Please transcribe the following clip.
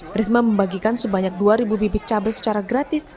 risma membagikan sebanyak dua bibit cabai secara gratis